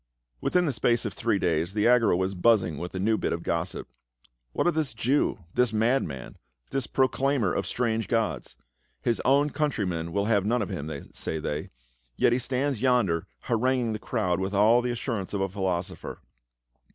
Within the space of three days the Agora was buzz ing with a new bit of gossip. "What of this Jew — this madman — this proclaimer of strange gods ? His own countrymen will have none of him, say they, yet he stands yonder haranguing the crowd with all the assurance of a philosopher."